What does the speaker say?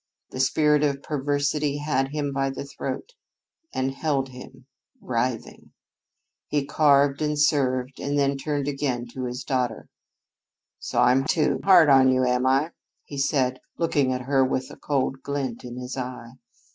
The spirit of perversity had him by the throat and held him, writhing. He carved and served, and then turned again to his daughter. "So I'm too hard on you, am I?" he said, looking at her with a cold glint in his eye.